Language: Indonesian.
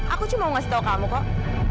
aku cuma mau ngasih tau kamu kok